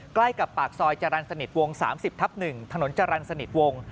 ใกล้กับปากซอยจรรย์สนิทวง๓๐ทับ๑ถนนจรรย์สนิทวง